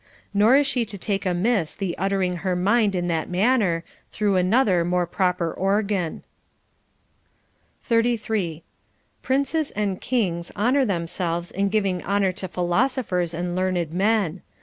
Nor is she to take amiss the uttering her mind in that manner, through another more proper organ. 33. Princes and kings honor themselves in giving honor to philosophers and learned men.